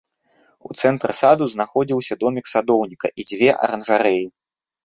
У цэнтры саду знаходзіўся домік садоўніка і дзве аранжарэі.